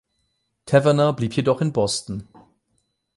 Taverner blieb jedoch in Boston.